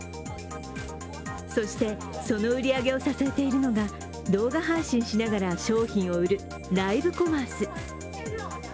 そして、その売り上げを支えているのが動画配信しながら商品を売るライブコマース。